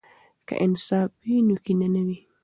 که انصاف وي، نو کینه نه وي.